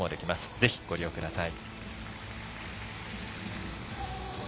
ぜひご利用ください。